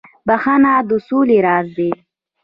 • بخښل د سولي راز دی.